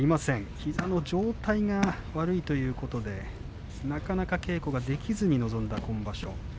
膝の状態が悪いということでなかなか稽古ができずに臨んだ今場所。